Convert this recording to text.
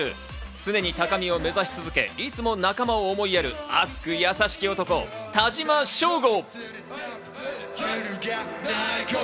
常に高みを目指し続け、いつも仲間を思いやる熱く優しき男・田島将吾。